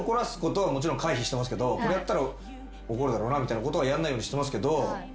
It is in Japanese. これやったら怒るだろうなみたいなことはやんないようにしてますけど。